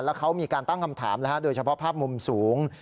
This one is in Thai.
แล้วเขามีการตั้งคำถามโดยเฉพาะภาพมุมสูง